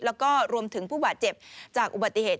แล้วก็รวมถึงผู้บาดเจ็บจากอุบัติเหตุ